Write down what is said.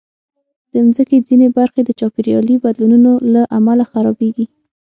د مځکې ځینې برخې د چاپېریالي بدلونونو له امله خرابېږي.